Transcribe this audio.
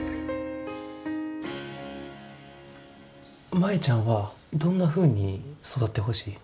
舞ちゃんはどんなふうに育ってほしい？